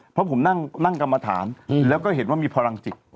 เพราะผมนั่งกรรมฐานแล้วก็เห็นว่ามีพลังจิต